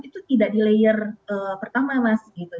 itu tidak di layer pertama mas gitu